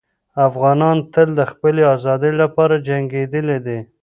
افغانان تل د خپلې ازادۍ لپاره جنګېدلي دي.